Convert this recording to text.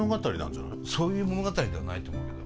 そういう物語ではないと思うけど。